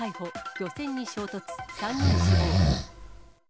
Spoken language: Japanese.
漁船に衝突、３人死亡。